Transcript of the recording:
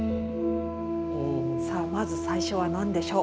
さあまず最初は何でしょう？